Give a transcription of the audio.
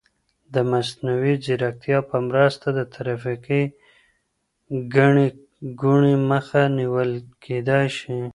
د مصنوعي ځیرکتیا په مرسته د ترافیکي ګڼې ګوڼې مخه نیول کیدای شي.